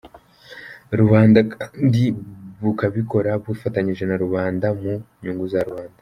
rubanda kandi bukabikora bufatanyije na rubanda, mu nyungu za rubanda.